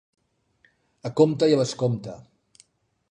A compte i a bescompte.